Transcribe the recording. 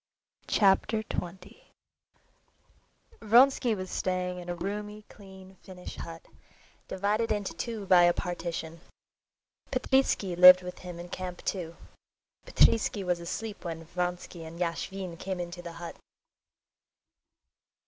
Chapter 20 Vronsky was staying in a roomy, clean, Finnish hut, divided into two by a partition. Petritsky lived with him in camp too. Petritsky was asleep when Vronsky and Yashvin came into the hut.